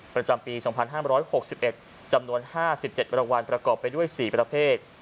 ประจำปี๒๕๖๑จำนวน๕๗รางวัลประกอบไปด้วย๔ประเภท